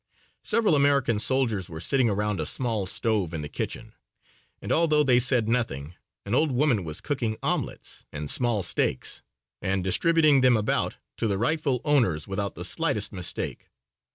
Several American soldiers were sitting around a small stove in the kitchen, and although they said nothing, an old woman was cooking omelettes and small steaks and distributing them about to the rightful owners without the slightest mistake.